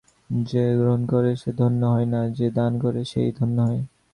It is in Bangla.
যে গ্রহণ করে সে ধন্য হয় না, যে দান করে সেই ধন্য হয়।